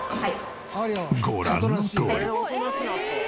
ご覧のとおり。